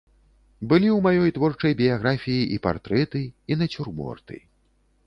Былі ў маёй творчай біяграфіі і партрэты, і нацюрморты.